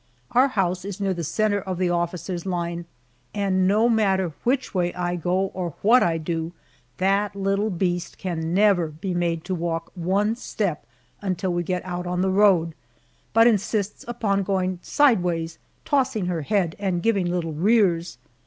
Our house is near the center of the officers' line, and no matter which way I go or what I do, that little beast can never be made to walk one step until we get out on the road, but insists upon going sideways, tossing her head, and giving little rears.